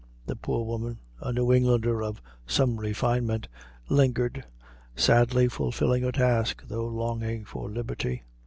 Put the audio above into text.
The poor woman, a New Englander of some refinement, lingered, sadly fulfilling her task, though longing for liberty.